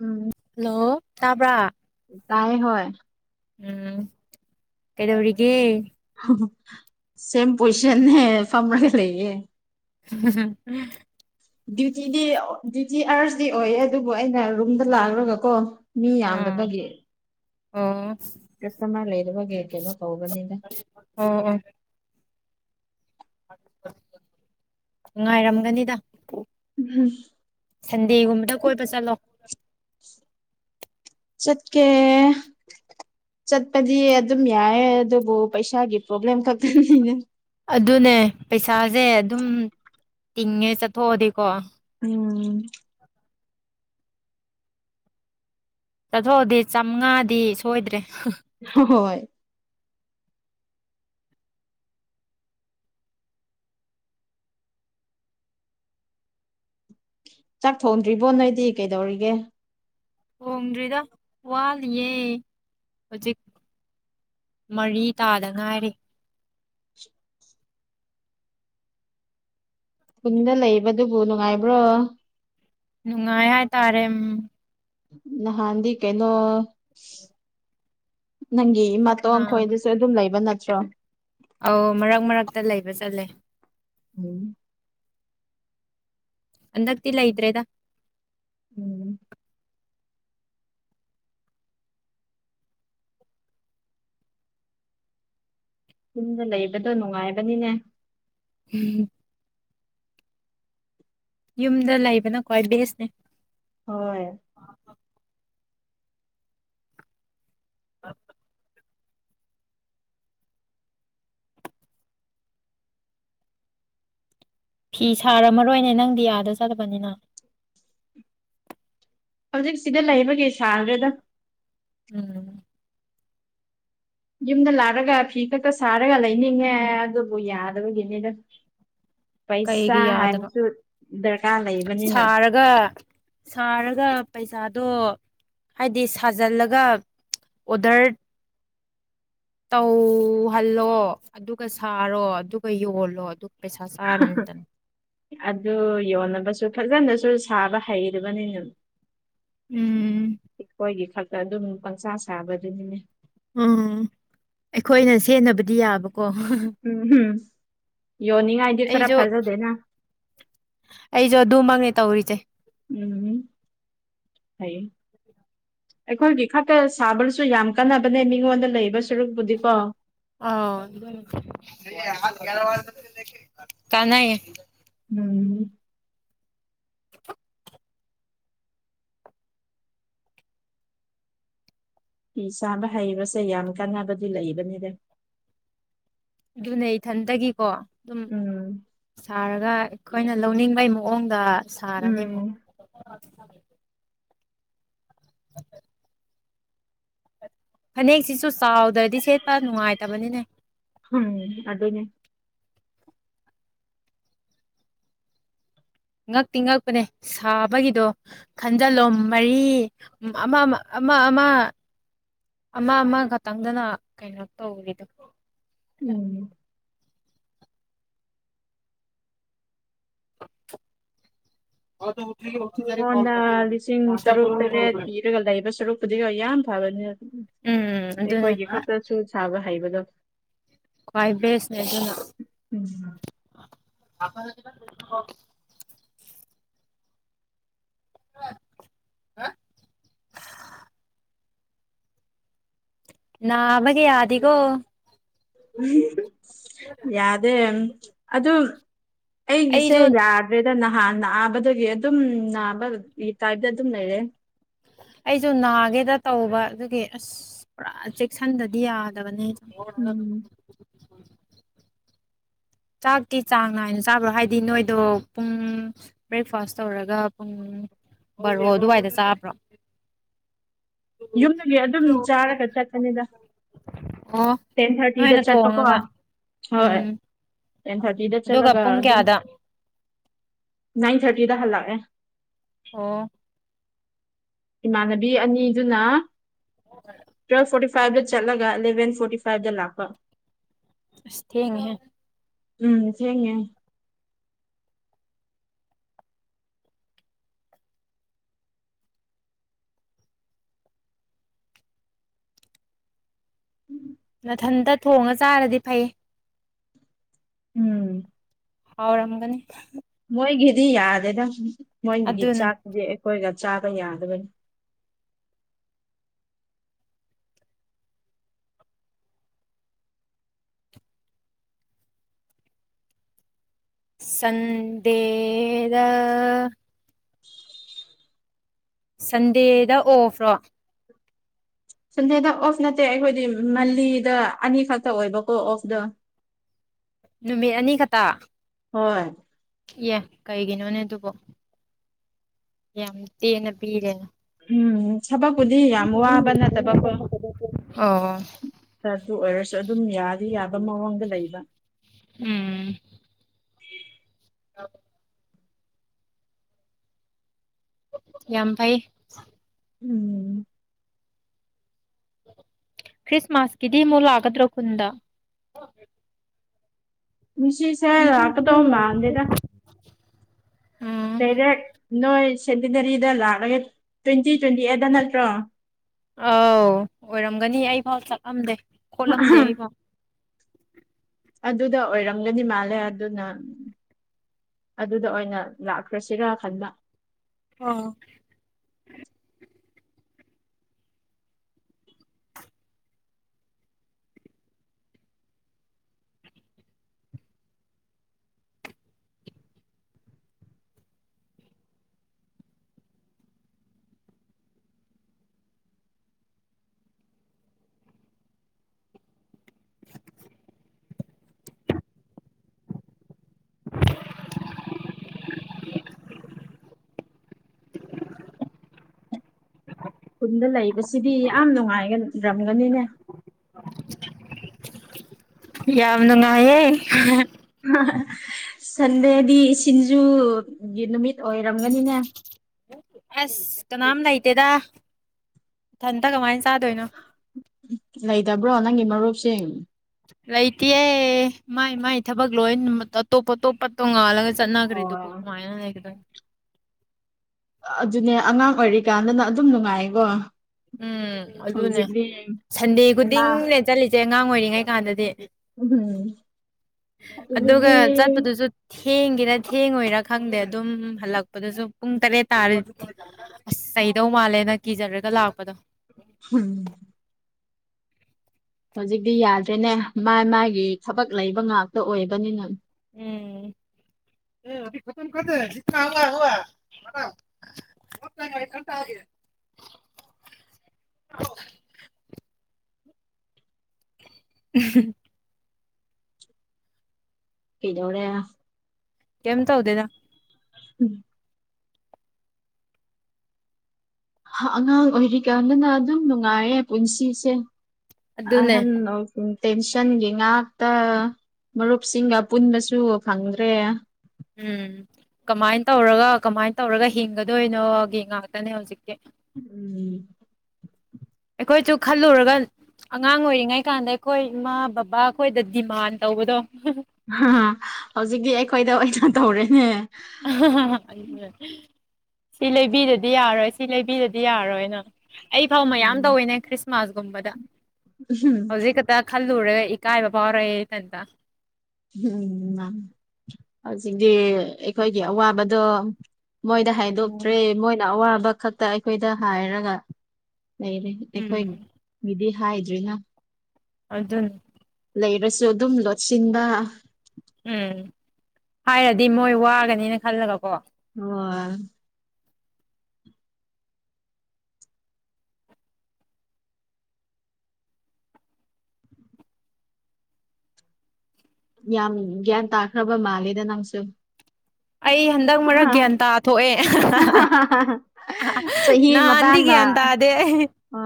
ꯎꯝ hello ꯇꯥꯕ꯭ꯔꯥ ꯇꯥꯏ ꯍꯣꯏ ꯎꯝ ꯀꯩꯗꯧꯔꯤꯒꯦ ꯍ ꯁꯦꯝ ꯄꯣꯏꯁꯟꯅꯦ ꯐꯝꯃꯒ ꯂꯩꯌꯦ ꯍꯨꯝ ꯍꯨꯝ ꯎꯝ ꯗ꯭ꯌꯨꯇꯤꯗꯤ ꯑꯣ ꯗ꯭ꯌꯨꯇꯤ ꯑꯥꯔꯁꯇꯤ ꯑꯣꯏꯌꯦ ꯑꯗꯨꯕꯨ ꯑꯩꯅ ꯔꯨꯝꯗ ꯂꯥꯛꯑꯔꯒ ꯀꯣ ꯃꯤ ꯑꯥ ꯌꯥꯝꯗꯕꯒꯤ ꯑꯣ ꯀꯁꯇꯃꯔ ꯂꯩꯗꯕꯒꯤ ꯀꯩꯅꯣ ꯇꯧꯕꯅꯤꯗ ꯑꯣ ꯑꯣ ꯉꯥꯏꯔꯝꯒꯅꯤꯗ ꯎꯝ ꯁꯟꯗꯦꯒꯨꯝꯕꯗ ꯀꯣꯏꯕ ꯆꯠꯂꯣ ꯆꯠꯀꯦ ꯆꯠꯄꯗꯤ ꯑꯗꯨꯝ ꯌꯥꯏꯌꯦ ꯑꯗꯨꯕꯨ ꯄꯩꯁꯥꯒꯤ ꯄ꯭ꯔꯣꯕ꯭ꯂꯦꯝ ꯈꯛꯇꯅꯤꯅꯦ ꯑꯗꯨꯅꯦ ꯄꯩꯁꯥꯁꯦ ꯑꯗꯨꯝ ꯇꯤꯡꯉꯦ ꯆꯠꯊꯣꯛꯑꯗꯤꯀꯣ ꯎꯝ ꯆꯠꯊꯣꯛꯑꯗꯤ ꯆꯥꯝꯃꯉꯥꯗꯤ ꯁꯣꯏꯗ꯭ꯔꯦ ꯍꯣꯏ ꯆꯥꯛ ꯊꯣꯡꯗ꯭ꯔꯤꯕꯣ ꯅꯣꯏꯗꯤ ꯀꯩꯗꯧꯔꯤꯒꯦ ꯍꯣꯡꯗ꯭ꯔꯤꯗ ꯋꯥꯂꯤꯌꯦ ꯍꯧꯖꯤꯛ ꯃꯔꯤ ꯇꯥꯗ ꯉꯥꯏꯔꯤꯦ ꯄꯨꯨꯡꯗ ꯂꯩꯕꯗꯨꯕꯨ ꯅꯨꯡꯉꯥꯏꯕ꯭ꯔꯣ ꯅꯨꯡꯉꯥꯏ ꯍꯥꯏꯇꯥꯔꯦ ꯎ ꯅ ꯍꯥꯟꯗꯤ ꯀꯦꯩꯅꯣ ꯅꯪ ꯏ ꯃꯇꯣꯟ ꯑꯥ ꯈꯣꯏꯗꯁꯨ ꯑꯗꯨꯝ ꯂꯩꯕ ꯅꯠꯇ꯭ꯔꯣ ꯑꯧ ꯃꯔꯛ ꯃꯔꯛꯇ ꯂꯩꯕ ꯆꯠꯂꯦ ꯎꯝ ꯍꯗꯥꯛꯇꯂ ꯏꯇ꯭ꯔꯦꯗ ꯎꯝ ꯆꯨꯝꯗ ꯂꯩꯕꯗꯣ ꯅꯨꯡꯉꯥꯏꯕꯅꯤꯅꯦ ꯎꯝ ꯌꯨꯝꯗ ꯂꯩꯕꯅ ꯈ꯭ꯋꯥꯏ ꯕꯦꯁꯅꯦ ꯍꯣꯏ ꯑ ꯐꯤ ꯁꯥꯔꯝꯃꯔꯣꯏꯅꯦ ꯅꯪ ꯗꯤꯌꯥꯗ ꯆꯗꯕꯅꯤꯅ ꯍꯧꯖꯤꯛ ꯁꯤꯗ ꯂꯩꯕꯒꯤꯦ ꯁꯥꯈ꯭ꯔꯦꯗ ꯎꯝ ꯌꯨꯝꯗ ꯂꯥꯛꯂꯒ ꯐꯤ ꯈꯛꯇ ꯁꯥꯔꯒ ꯂꯩꯅꯤꯡꯉꯦ ꯑꯗꯨꯕꯨ ꯌꯥꯗꯕꯒꯤꯅꯤꯗ ꯄꯩꯁꯥ ꯀꯩꯒꯤ ꯌꯥꯗꯕ ꯍꯥꯏꯕꯁꯨ ꯗꯔꯀꯥꯔ ꯂꯩꯕꯅꯤꯅ ꯁꯥꯔꯒ ꯁꯥꯔꯒ ꯄꯩꯁꯥꯗꯣ ꯍꯥꯏꯗꯤ ꯁꯥꯖꯤꯜꯂꯒ ꯎꯗꯔ ꯇꯧꯍꯜꯂꯣ ꯑꯗꯨꯒ ꯁꯥꯔꯣ ꯑꯗꯨꯒ ꯌꯣꯜꯂꯣ ꯑꯗꯨꯒ ꯄꯩꯁꯥ ꯆꯥꯔꯅꯤ ꯗꯅꯤ ꯑꯗꯨ ꯌꯣꯟꯅꯕꯁꯨ ꯐꯖꯅꯁꯨ ꯁꯥꯕ ꯍꯩꯔꯕꯅꯤꯅ ꯎꯝ ꯑꯩꯈꯣꯏꯒꯤ ꯈꯛꯇ ꯑꯗꯨꯝ ꯄꯪꯁꯥ ꯁꯥꯕꯗꯨꯅꯤꯅꯦ ꯎꯝ ꯑꯩꯈꯣꯏꯅ ꯁꯦꯟꯅꯕꯗꯤ ꯌꯥꯕꯀꯣ ꯎꯝ ꯎꯝ ꯑꯩꯁꯨ ꯑꯩꯁꯨ ꯑꯗꯨꯃꯛꯅꯤ ꯇꯧꯔꯤꯁꯦ ꯎꯝ ꯍꯥꯏ ꯑꯩꯈꯣꯏꯒꯤ ꯈꯛꯇ ꯁꯥꯕꯔꯁꯨ ꯌꯥꯝ ꯀꯥꯟꯅꯕꯅꯦ ꯃꯤꯉꯣꯟꯗ ꯂꯩꯕꯁꯨ ꯑ ꯀꯅꯥ ꯎꯝ ꯐꯤ ꯁꯥꯕ ꯍꯩꯕꯁꯦ ꯌꯥꯝ ꯀꯥꯟꯅꯕꯗꯤ ꯂꯩꯕꯅꯤꯔꯦ ꯑꯗꯨꯅꯦ ꯏꯊꯟꯇꯒꯤꯀꯣ ꯑꯗꯨꯝ ꯎꯝ ꯁꯥꯔꯒ ꯑ ꯑꯩꯈꯣꯏꯅ ꯂꯧꯅꯤꯡꯕꯩ ꯃꯑꯣꯡꯗ ꯁꯥꯔꯅꯤ ꯎꯝ ꯑꯃꯨꯛ ꯐꯅꯦꯛꯁꯤꯁꯨ ꯆꯥꯎꯗ꯭ꯔꯗꯤ ꯁꯦꯠꯄ ꯅꯨꯡꯉꯥꯏꯇꯕꯅꯤꯅꯦ ꯎꯝ ꯑꯗꯨꯅꯦ ꯉꯛꯇꯤ ꯉꯛꯄꯅꯦ ꯁꯥꯕꯒꯤꯗꯣ ꯈꯟꯖꯜꯂꯣꯝ ꯃꯔꯤ ꯑꯃ ꯑꯃ ꯑꯃ ꯑꯃ ꯑꯃ ꯈꯛꯇꯪꯗꯅ ꯀꯩꯅꯣ ꯇꯧꯔꯤꯗ ꯎꯝ ꯍꯗ ꯃꯤꯉꯣꯟꯗ ꯂꯤꯁꯤꯡ ꯇꯔꯨꯛ ꯇꯔꯦꯠ ꯄꯤꯔꯒ ꯂꯩꯕ ꯁꯔꯨꯛꯄꯨꯗꯤꯒ ꯌꯥꯝ ꯐꯕꯅꯤ ꯑꯗꯨ ꯎꯝ ꯑꯗꯨꯅꯦ ꯑꯩꯈꯣꯏꯒꯤ ꯈꯛꯇꯁꯨ ꯁꯥꯕ ꯍꯩꯕꯗꯣ ꯈ꯭ꯋꯥ ꯦꯁ ꯅꯗꯅ [inaudible] ꯎꯝ ꯍꯥ ꯅꯕꯒ ꯌꯥꯗꯒꯣ ꯌꯥꯗꯦ ꯑꯗ ꯑꯩꯤꯁꯦ ꯑꯩꯁꯨ ꯌꯥꯗ꯭ꯔꯦꯗ ꯅ ꯍꯥ ꯅꯥꯕꯗꯒꯤ ꯑꯗꯨꯝ ꯅꯥꯕꯒꯤ ꯇꯥꯏꯞꯇ ꯑꯗꯨꯝ ꯂꯩꯔꯦ ꯑꯩꯁꯨ ꯅꯥꯒꯦꯗ ꯇꯧꯕ ꯑꯗꯨꯒꯤ ꯑꯁ ꯄꯨꯔꯥ ꯆꯦꯛꯁꯤꯟꯗꯗꯤ ꯌꯥꯗꯕꯅꯦ ꯎꯝ [inaudible] [unintelligible] ꯆꯥꯛꯇꯤ ꯆꯥꯡ ꯅꯥꯏꯅ ꯆꯥꯕ꯭ꯔꯣ ꯍꯥꯏꯗꯤ ꯅꯣꯏꯗꯣ ꯄꯨꯡ ꯕ꯭ꯔꯦꯛꯐꯥꯁ ꯇꯧꯔꯒ ꯄꯨꯡ ꯔꯣ ꯑꯗꯨꯋꯥꯏꯗ ꯆꯥꯕ꯭ꯔꯣ ꯌꯨꯝꯗꯨꯒꯤ ꯑꯗꯨꯝ ꯆꯥꯔꯒ ꯆꯠꯀꯅꯤꯗ ꯑꯣ ꯇꯦꯟ ꯊꯥꯔꯇꯤꯗ ꯅꯣꯏꯅ ꯆꯠ ꯄꯀ ꯊꯣꯡꯉꯒ ꯍꯣꯏ ꯎꯝ ꯇꯦꯟ ꯊꯥꯔꯇꯤꯗ ꯑꯗꯨꯒ ꯆꯠꯂꯒ ꯄꯨꯡ ꯑꯗꯨꯝ ꯀꯌꯥꯗ ꯅꯥꯏꯟ ꯊꯥꯔꯇꯤꯗ ꯍꯜꯂꯛꯑꯦ ꯑꯣ ꯏꯃꯥꯟꯅꯕꯤ ꯑꯅꯤꯗꯨꯅ ꯇꯨꯋꯦꯜ ꯐꯣꯔꯇꯤ ꯐꯥꯏꯚꯇ ꯆꯠꯂꯒ ꯑꯦꯂꯚꯦꯟ ꯐꯣꯔꯇꯤ ꯐꯥꯏꯚꯇ ꯂꯥꯛꯄ ꯊꯦꯡꯉ ꯎꯝ ꯁꯤꯦꯉ ꯃꯊꯟꯇ ꯊꯣꯡꯉ ꯆꯥꯔꯗꯤ ꯐꯩ ꯎꯝ ꯍꯥꯎꯔꯝꯒꯅꯤ ꯃꯣꯏꯒꯤꯗꯤ ꯌꯥꯗꯦꯗ ꯃꯣꯏꯒꯤ ꯑꯗꯨꯅ ꯆꯥꯛꯇꯨꯗꯤ ꯑꯩꯈꯣꯏꯒ ꯆꯥꯕ ꯌꯥꯗꯕꯅꯤ ꯁꯗꯦꯗ ꯁꯟꯗꯦꯗ ꯑꯣꯐ꯭ꯔꯣ ꯁꯟꯗꯦꯗ ꯑꯣꯐ ꯅꯠꯇꯦ ꯑꯩꯈꯣꯏꯗꯤ ꯃꯜꯂꯤꯗ ꯑꯅꯤꯈꯛꯇ ꯑꯣꯏꯕꯀꯣ ꯑꯣꯐꯇ ꯅꯨꯃꯤꯠ ꯑꯅꯤ ꯈꯛꯇ ꯍꯣꯏ ꯌꯥ ꯀꯩꯒꯤꯅꯣꯅꯦ ꯑꯗꯨꯕꯣ ꯌꯥꯝ ꯇꯦꯅ ꯄꯤꯔꯦꯅ ꯎꯝ ꯊꯕꯛꯄꯨꯗꯤ ꯌꯥꯝ ꯋꯥꯕ ꯅꯠꯇꯕꯀꯣ ꯑꯣ ꯁꯠꯇ ꯑꯣꯏꯔꯁꯨ ꯑꯗꯨꯝ ꯌꯥꯗꯤ ꯌꯥꯕ ꯃꯑꯣꯡꯗ ꯂꯩꯕ [inaudible] [unintelligible] ꯑ ꯌꯥꯝ ꯐꯥꯏ ꯎꯝ ꯈ꯭ꯔꯤꯁꯃꯥꯁꯀꯤꯗꯤ ꯑꯃꯨꯛ ꯂꯥꯛꯒꯗ꯭ꯔꯣ ꯈꯨꯟꯗ ꯃꯤꯁꯤꯁ ꯔꯀ ꯇ ꯃꯥꯗꯗ ꯎꯝ ꯗꯥꯔꯦꯛ ꯅꯣꯏ ꯁꯦꯟꯇꯤꯅꯔꯤꯗ ꯂꯥꯛꯂꯒꯦ ꯇ꯭ꯋꯦꯟꯇꯤ ꯇ꯭ꯋꯦꯟꯇꯤ ꯑꯦꯠꯇꯠꯇ ꯅꯠꯇ꯭ꯔꯣ ꯑꯥꯎ ꯑꯣꯏꯔꯝꯒꯅꯤ ꯑꯩꯐꯥꯎ ꯆꯠꯂꯝꯂꯝꯗꯦ ꯈꯣꯠꯂꯝꯗꯦ ꯑꯩꯐꯥꯎ [inaudible] [unintelligible] ꯑꯗꯨꯗ ꯑꯣꯏꯔꯝꯒꯅꯤ ꯃꯥꯜꯂꯦ ꯑꯗꯨꯅ ꯑꯗꯨꯗ ꯑꯣꯏꯅ ꯂꯥꯛꯈ꯭ꯔꯁꯤꯔꯥ ꯈꯟꯂ ꯑ [inaudible] [unintelligible] ꯈꯨꯟꯗ ꯂꯩꯕꯁꯤꯗꯤ ꯌꯥꯝ ꯅꯨꯡꯉꯥꯏꯒꯔꯝꯒꯅꯤꯅꯦ [inaudible] [unintelligible] ꯌꯥꯎꯅꯅꯨꯡ ꯉꯌꯦꯦ ꯁꯟꯗꯦꯗꯤ ꯁꯤꯡꯖꯨꯒꯤ ꯅꯨꯃꯤꯠ ꯑꯣꯏꯔꯝꯒꯅꯤꯅꯦ ꯑꯁ ꯀꯅꯥꯝ ꯂꯩꯇꯦꯗ ꯏꯊꯟꯇ ꯀꯃꯥꯏꯅ ꯆꯥꯗꯣꯏꯅꯣ ꯂꯩꯇꯕ꯭ꯔꯣ ꯅꯪꯒꯤ ꯃꯔꯨꯞꯁꯤꯡ ꯂꯩꯇꯦ ꯃꯥꯏ ꯃꯥꯏ ꯊꯕꯛ ꯂꯣꯏ ꯑꯇꯣꯞ ꯑꯇꯣꯞꯄ ꯇꯣꯡꯉꯥꯜꯂꯒ ꯑꯣ ꯆꯠꯅꯈ꯭ꯔꯤꯗꯨꯕꯨ ꯀꯃꯥꯏꯅ ꯂꯩꯒꯗꯣꯏꯅꯣ ꯑꯗꯨꯅꯦ ꯑꯉꯥꯡ ꯑꯣꯏꯔꯤꯀꯥꯟꯗꯅ ꯑꯗꯨꯝ ꯅꯨꯡꯉꯥꯏꯀꯣ ꯎꯝ ꯑꯗꯨꯅꯦ ꯍꯧꯖꯤꯛꯇꯤ ꯁꯟꯗꯦ ꯃꯥ ꯈꯨꯗꯤꯡꯅꯦ ꯆꯠꯂꯤꯁꯦ ꯑꯉꯥꯡ ꯑꯣꯏꯔꯤꯉꯩ ꯀꯥꯟꯗꯗꯤ ꯎꯝ ꯑꯗꯨꯒ ꯍꯧꯖꯤꯛꯇꯤ ꯆꯠꯄꯗꯨꯁꯨ ꯊꯦꯡꯒꯦꯔꯥ ꯊꯦꯡꯉꯣꯏꯔꯥ ꯈꯪꯗꯦ ꯑꯗꯨꯝ ꯍꯜꯂꯛꯄꯗꯁꯨ ꯄꯨꯡ ꯇꯔꯦꯠ ꯇꯥꯔꯦ ꯑꯁ ꯀꯩꯗꯧ ꯃꯥꯜꯂꯦꯅ ꯀꯤꯖꯔꯒ ꯂꯥꯛꯄꯗꯣ ꯍꯝ ꯍꯧꯖꯤꯛꯇꯤ ꯌꯥꯗꯦꯅꯦ ꯃꯥ ꯃꯥꯒꯤ ꯊꯕꯛ ꯂꯩꯕ ꯉꯥꯛꯇ ꯑꯣꯏꯕꯅꯤꯅ ꯎꯝ [unintelligible] [inaudible] ꯎꯝ ꯀꯩꯅꯣꯅꯦ ꯀꯦꯝ ꯇꯧꯗꯦꯗ ꯎꯝ ꯑꯉꯥꯡ ꯑꯣꯏꯔꯤꯀꯥꯟꯗꯅ ꯑꯗꯨꯝ ꯅꯨꯡꯉꯥꯏꯌꯦ ꯄꯨꯟꯁꯤꯁꯦ ꯑꯗꯨꯅꯦ ꯑꯍꯟ ꯑꯣꯏ ꯇꯦꯟꯁꯟꯒꯤ ꯉꯥꯛꯇ ꯃꯔꯨꯞꯁꯤꯡꯒ ꯄꯨꯟꯕꯁꯨ ꯐꯪꯗ꯭ꯔꯦ ꯎꯝ ꯀꯃꯥꯏꯅ ꯇꯧꯔꯒ ꯀꯃꯥꯏꯅ ꯇꯧꯔꯒ ꯍꯤꯡꯒꯗꯣꯏꯅꯣꯒꯤ ꯉꯥꯛꯇꯅꯦ ꯍꯧꯖꯤꯛꯀꯤ ꯎꯝ ꯑꯩꯈꯣꯏꯁꯨ ꯈꯜꯂꯨꯔꯒ ꯑꯉꯥꯡ ꯑꯣꯏꯔꯤꯉꯩ ꯀꯥꯟꯗ ꯑꯩꯈꯣꯏ ꯏꯃꯥ ꯕꯕꯥ ꯑꯩꯈꯣꯏꯗ ꯗꯤꯃꯥꯟ ꯇꯧꯕꯗꯣ ꯑ ꯍꯧꯖꯤꯛꯀꯤ ꯑꯩꯈꯣꯏꯗ ꯑꯣꯏꯅ ꯇꯧꯔꯦꯅꯦ ꯑ ꯍꯥ ꯍꯥ ꯍꯥ ꯑꯗꯨ ꯁꯤ ꯂꯩꯕꯤꯗꯗꯤ ꯌꯥꯔꯣꯏ ꯁꯤ ꯂꯩꯕꯤꯗꯗꯤ ꯌꯥꯔꯣꯏꯅ ꯑꯩ ꯐꯥꯎ ꯃꯌꯥꯝ ꯇꯧꯋꯤꯅꯦ ꯈ꯭ꯔꯤꯁꯃꯥꯁꯒꯨꯝꯕꯗ ꯎꯝ ꯍꯧꯖꯤꯛ ꯈꯛꯇ ꯈꯜꯂꯨꯔꯒ ꯏꯀꯥꯏꯕ ꯐꯥꯎꯔꯛꯑꯦ ꯏꯊꯟꯇ ꯎꯝ ꯍꯧꯖꯤꯛꯇꯤ ꯑꯩꯈꯣꯏꯒꯤ ꯑꯋꯥꯕꯗꯣ ꯃꯣꯏꯗ ꯎꯝ ꯍꯥꯏꯗꯣꯛꯇ꯭ꯔꯦ ꯃꯣꯏꯅ ꯑꯋꯥꯕ ꯈꯛꯇ ꯑꯩꯈꯣꯏꯗ ꯍꯥꯏꯔꯒ ꯂꯩꯔꯦ ꯑꯩꯈꯣꯏ ꯎꯝ ꯃꯤꯗꯤ ꯍꯥꯏꯗ꯭ꯔꯤꯅ ꯑꯗꯨꯅꯦ ꯂꯩꯔꯁꯨ ꯑꯗꯨꯝ ꯂꯣꯠꯁꯤꯟꯕ ꯎꯝ ꯍꯥꯏꯔꯗꯤ ꯃꯣꯏ ꯋꯥꯒꯅꯦꯅ ꯈꯜꯂꯒꯀꯣ ꯑꯣ ꯌꯥꯝ ꯒ꯭ꯌꯥꯟ ꯇꯥꯈ꯭ꯔꯕ ꯃꯥꯜꯂꯦꯗ ꯅꯪꯁꯨ ꯑꯩ ꯍꯟꯗꯛ ꯃꯔꯛ ꯒ꯭ꯌꯥꯟ ꯇꯥ ꯊꯣꯛꯑꯦ ꯆꯍꯤ ꯅꯍꯥꯟꯗꯤ ꯃꯇꯥꯡꯅ ꯒ꯭ꯌꯥꯟꯇ ꯇꯥꯗꯦ ꯑ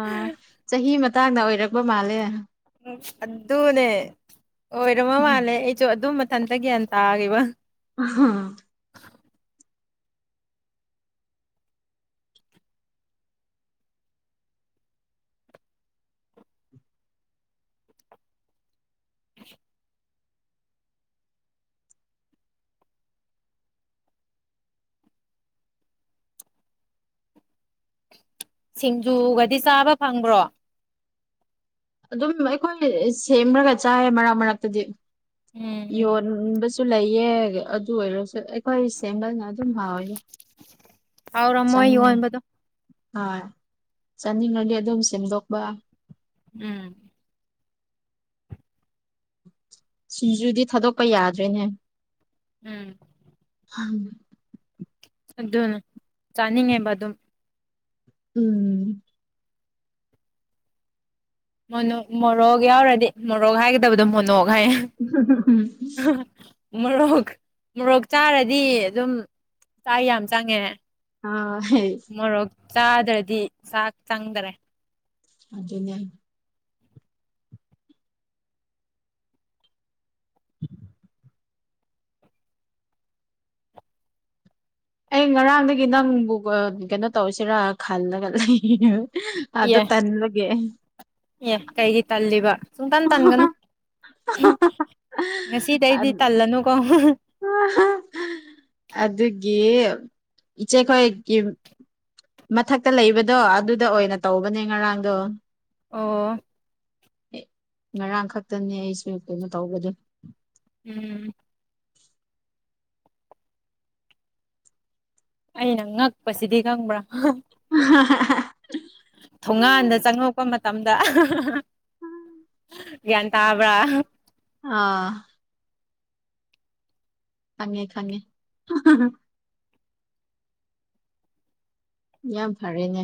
ꯆꯍꯤ ꯃꯇꯥꯡꯗ ꯑꯣꯏꯔꯛꯄ ꯃꯥꯜꯂꯦ ꯎꯝ ꯑꯗꯨꯅꯦ ꯑꯣꯏꯔꯝꯃ ꯃꯥꯜꯂꯦ ꯑꯩꯁꯨ ꯑꯗꯨ ꯏꯊꯟꯇ ꯒ꯭ꯌꯥꯟꯇꯒꯤꯕ ꯑꯍꯥ ꯁꯤꯡꯖꯨꯒꯗꯤ ꯆꯥꯕ ꯐꯪꯕ꯭ꯔꯣ ꯑꯗꯨꯝ ꯑꯩꯈꯣꯏ ꯁꯦꯝꯔꯥꯒ ꯆꯥꯏ ꯃꯔꯛ ꯃꯔꯛꯇꯗꯤ ꯎꯝ ꯎꯝ ꯌꯣꯟꯕꯁꯨ ꯝꯂꯩꯌꯦ ꯑꯗꯨ ꯑꯣꯏꯔꯁꯨ ꯑꯩꯈꯣꯏ ꯁꯦꯝꯃꯒ ꯑꯗꯨꯝ ꯍꯥꯎꯏꯗ ꯍꯥꯎꯔꯝꯃꯣꯏ ꯌꯣꯟꯕꯗꯣ ꯍꯣꯏ ꯆꯅꯤꯡꯉꯥꯗꯤ ꯑꯗꯨꯝ ꯁꯦꯝꯗꯣꯛꯄ ꯎꯝ ꯁꯤꯡꯖꯨꯗꯤ ꯊꯥꯗꯣꯛꯄ ꯌꯥꯗ꯭ꯔꯦꯅꯦ ꯎꯝ ꯎꯝ ꯑꯗꯨꯅ ꯆꯥꯅꯤꯡꯉꯦꯕ ꯑꯗꯨꯝ ꯎꯝ ꯃꯅꯣꯛ ꯃꯣꯔꯣꯛ ꯌꯥꯎꯔꯗꯤ ꯃꯣꯔꯣꯛ ꯍꯥꯏꯒꯗꯕꯗꯣ ꯃꯣꯅꯣꯛ ꯒ ꯃꯣꯔꯣꯛ ꯃꯣꯔꯣꯛ ꯆꯥꯔꯗꯤ ꯑꯗꯨꯝ ꯆꯥꯏ ꯌꯥꯝ ꯆꯪꯉꯦ ꯑ ꯍ ꯃꯣꯔꯣꯛ ꯆꯥꯗ꯭ꯔꯗꯤ ꯆꯥꯛ ꯆꯪꯗꯔꯦ ꯑꯗꯨꯗꯅ [unintelligible] ꯑꯩ ꯉꯔꯥꯡꯗꯒꯤ ꯅꯪꯕꯨ ꯀꯩꯅꯣ ꯇꯧꯁꯤꯔꯥ ꯈꯜꯂꯒ ꯂꯩ ꯑꯗ ꯇꯟꯕꯒꯤ ꯌꯦ ꯀꯩꯒꯤ ꯇꯜꯂꯤꯕ ꯁꯨꯡꯇꯥꯟ ꯇꯟꯒꯅꯨ ꯉꯁꯤꯗꯩꯗꯤ ꯇꯜꯂꯅꯨꯀꯣ ꯑꯗꯨꯒꯤ ꯏꯆꯦꯈꯣꯏꯒꯤ ꯃꯊꯛꯇ ꯂꯩꯕꯗꯣ ꯑꯗꯨꯗ ꯑꯣꯏꯅ ꯇꯧꯕꯅꯦ ꯉꯔꯥꯡꯗꯣ ꯑꯣ ꯑꯦ ꯉꯔꯥꯡ ꯈꯛꯇꯅꯦ ꯑꯩꯁꯨ ꯀꯩꯅꯣ ꯇꯧꯕꯗ ꯎꯝ ꯑꯩꯅ ꯉꯛꯄꯁꯤꯗꯤ ꯉꯪꯕ꯭ꯔꯥ [unintelligible] ꯇꯝꯗ ꯇꯥꯕ ꯑꯥ ꯈꯪꯉꯦ ꯈꯪꯉꯦ ꯌꯥꯝ ꯐꯔꯦꯅꯦ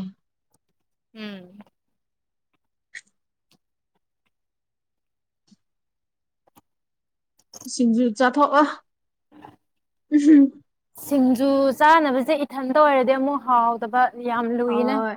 ꯎꯝ ꯁꯤꯡꯖꯨ ꯆꯥꯊꯣꯛꯑ ꯎꯝ ꯎ ꯍꯝ ꯁꯤꯡꯖꯨ ꯆꯥꯅꯕꯁꯦ ꯏꯊꯟꯇ ꯑꯣꯏꯔꯗꯤ ꯑꯃꯨꯛ ꯍꯥꯎꯗꯕ ꯌꯥꯝ ꯌꯥꯝꯝ ꯂꯨꯏꯅꯦ ꯍꯣꯏ